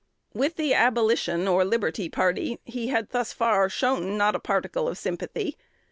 With the Abolition or Liberty party, he had thus far shown not a particle of sympathy.